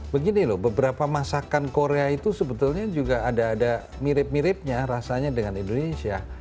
begini loh beberapa masakan korea itu sebetulnya juga ada ada mirip miripnya rasanya dengan indonesia